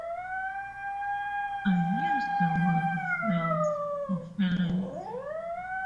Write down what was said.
I used the word "feels" for feelings.